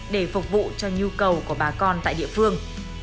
để phục vụ cho nhu cầu của bà con tại địa phương